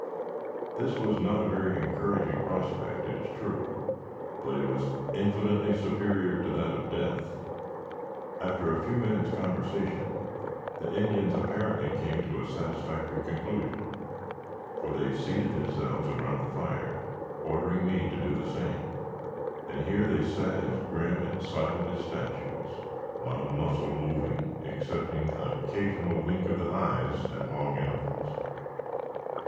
This was not a very encouraging prospect it is true, but it was infinitely superior to that of death. After a few minutes' conversation, the Indians apparently came to a satisfactory conclusion; for they seated themselves around the fire, ordering me to do the same, and here they sat as grim and silent as statues, not a muscle moving, excepting an occasional wink of the eyes at long intervals.